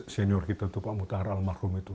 senior kita itu pak mutahar al makrum itu